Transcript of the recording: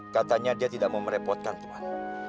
katanya dia tidak mau merepotkan tuhan